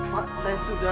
pak saya sudah